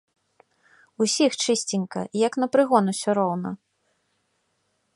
Усіх чысценька, як на прыгон усё роўна.